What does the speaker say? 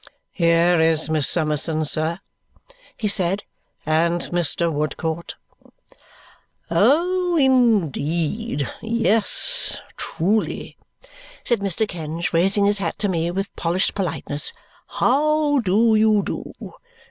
"Here is Miss Summerson, sir," he said. "And Mr. Woodcourt." "Oh, indeed! Yes. Truly!" said Mr. Kenge, raising his hat to me with polished politeness. "How do you do?